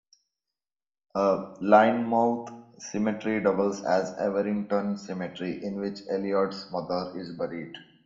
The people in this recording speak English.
Lynemouth Cemetery doubles as Everington Cemetery, in which Elliot's mother is buried.